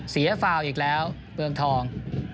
เสียฟาวอีกแล้วเบื้องทอง